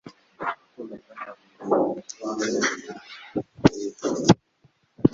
amaherezo mfite amafaranga ahagije yo kugura ubwoko bwimodoka nahoraga nifuza